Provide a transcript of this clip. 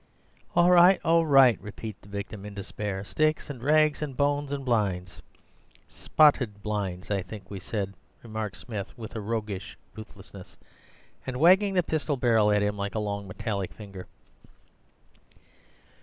"'All right, all right,' repeated the victim in despair; 'sticks and rags and bones and blinds.' "'Spotted blinds, I think we said,' remarked Smith with a rogueish ruthlessness, and wagging the pistol barrel at him like a long metallic finger.